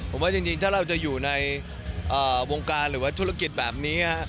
ผมว่าจริงถ้าเราจะอยู่ในวงการหรือว่าธุรกิจแบบนี้